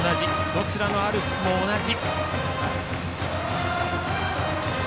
どちらのアルプスも同じ。